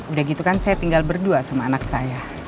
udah gitu kan saya tinggal berdua sama anak saya